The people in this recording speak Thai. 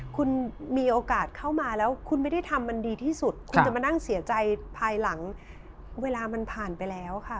คุณมีโอกาสเข้ามาแล้วคุณไม่ได้ทำมันดีที่สุดคุณจะมานั่งเสียใจภายหลังเวลามันผ่านไปแล้วค่ะ